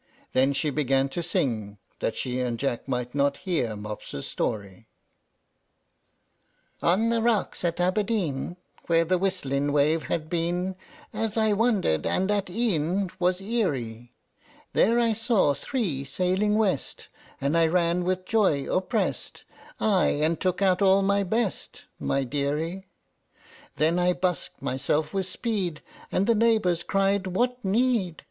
Then she began to sing, that she and Jack might not hear Mopsa's story: On the rocks by Aberdeen, Where the whislin' wave had been, As I wandered and at e'en Was eerie; There I saw thee sailing west, And I ran with joy opprest Ay, and took out all my best, My dearie. Then I busked mysel' wi' speed, And the neighbors cried "What need?